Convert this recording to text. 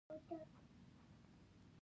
احمد د علي هډونه ور مات کړل.